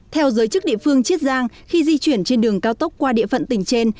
theo giới chức địa phương chiết giang khi di chuyển trên đường cao tốc qua địa phận tỉnh trên